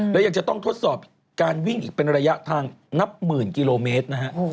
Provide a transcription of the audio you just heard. และยังจะต้องทดสอบการวิ่งอีกเป็นระยะทางนับหมื่นกิโลเมตรนะฮะ